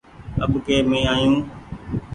اٻڪي مين آيو ۔